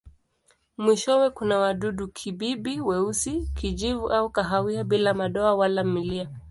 Mwishowe kuna wadudu-kibibi weusi, kijivu au kahawia bila madoa wala milia.